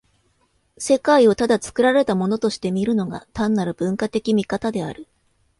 世界をただ作られたものとして見るのが、単なる文化的見方である。